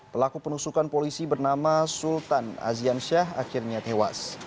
pelaku penusukan polisi bernama sultan azian syah akhirnya tewas